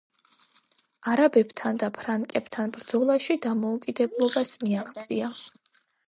არაბებთან და ფრანკებთან ბრძოლაში დამოუკიდებლობას მიაღწია.